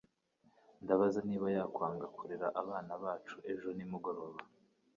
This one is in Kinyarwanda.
Ndabaza niba yakwanga kurera abana bacu ejo nimugoroba.